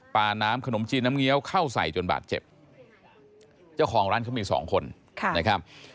น้ำขนมจีนน้ำเงี้ยวเข้าใส่จนบาดเจ็บเจ้าของร้านเขามีสองคนนะครับ